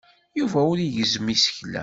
Yuba ur igezzem isekla.